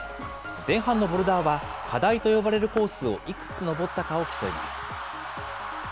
前半のボルダーは課題と呼ばれるコースをいくつ登ったかを競います。